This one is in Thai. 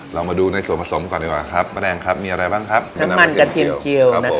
เรามาดูในส่วนผสมก่อนดีกว่าครับณแองครับน้ำมันกระเทียมเจียว